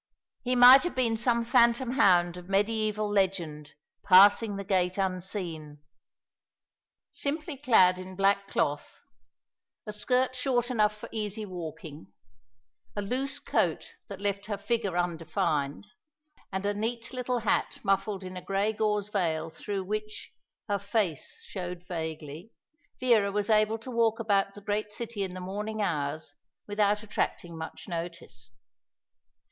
He might have been some phantom hound of mediæval legend, passing the gate unseen. Simply clad in black cloth, a skirt short enough for easy walking, a loose coat that left her figure undefined, and a neat little hat muffled in a grey gauze veil through which her face showed vaguely, Vera was able to walk about the great city in the morning hours without attracting much notice.